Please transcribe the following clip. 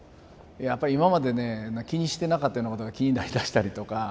やっぱり今までね気にしてなかったようなことが気になりだしたりとか。